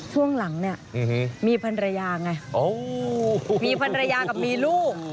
ช่วงหลังเนี้ยอื้อฮือมีภรรยาไงโอ้มีภรรรยากับมีลูก